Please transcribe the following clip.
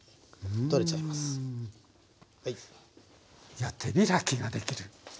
いや手開きができるね。